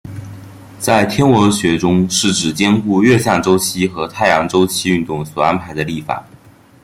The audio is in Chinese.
在天文学中是指兼顾月相周期和太阳周期运动所安排的历法。